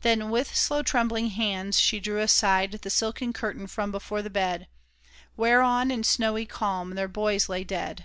Then with slow, trembling hands she drew aside The silken curtain from before the bed Whereon, in snowy calm, their boys lay dead.